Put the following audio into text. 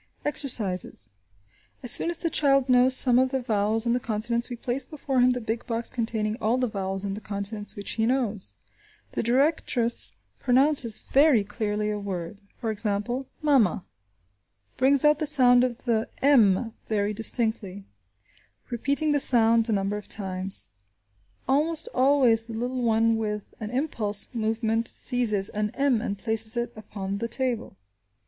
Exercises. As soon as the child knows some of the vowels and the consonants we place before him the big box containing all the vowels and the consonants which he knows. The directress pronounces very clearly a word; for example, "mama," brings out the sound of the m very distinctly, repeating the sounds a number of times. Almost always the little one with an impulsive movement seizes an m and places it upon the table.